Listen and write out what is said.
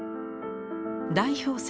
代表作